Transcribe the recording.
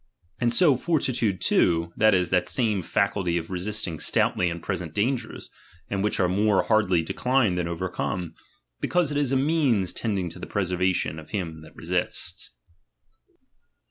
And so fortitude too, that is, that same faculty of Ksisting stoutly in present dangers, and which Me more hardly declined than overcome ; because It is a means tending to the preservation of him that resists, 33.